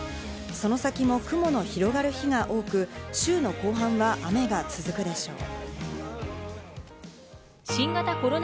その先も雲の広がる日が多く、週の後半は雨が続くでしょう。